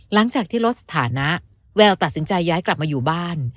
หลังจากที่ลดสถานะแววตัดสินใจย้ายกลับมาอยู่บ้าน